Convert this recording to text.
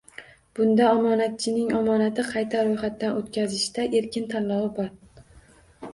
Bunda omonatchining omonatni qayta ro'yxatdan o'tkazishda erkin tanlovi bor